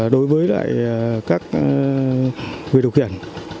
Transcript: đối với các người điều khiển